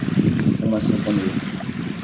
Uma sinfonia.